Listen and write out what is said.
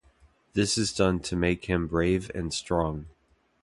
This is done to make him brave and strong.